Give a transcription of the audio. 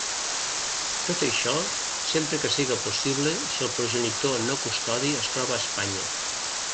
Tot això, sempre que siga possible si el progenitor no custodi es troba a Espanya.